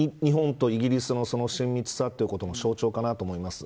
日本とイギリスの親密さということの象徴かなと思います。